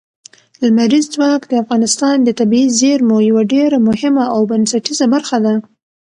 لمریز ځواک د افغانستان د طبیعي زیرمو یوه ډېره مهمه او بنسټیزه برخه ده.